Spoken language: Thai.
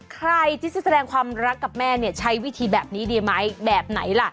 ใครที่จะแสดงความรักกับแม่เนี่ยใช้วิธีแบบนี้ดีไหมแบบไหนล่ะ